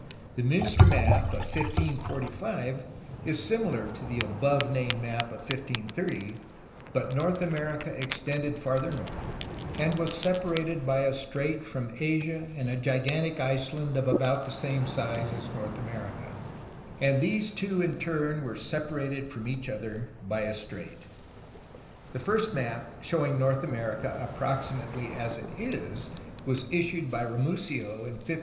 The Miinster map of 1545 is similar to the above named map of 1530, but North America extended farther north, and was separated by a strait from Asia and a gigantic Iceland (of about the same size as the North America), and these two in turn were separated from each other by a strait. The first map showing North America approximately as it is was issued by Ramusio in 1556.